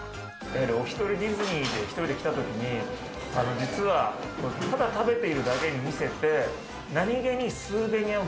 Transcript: お１人ディズニーで１人で来たときに、実はただ食べているだけに見せて、何気にスーベニアを